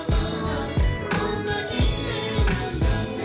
「『こんな綺麗なんだ』って」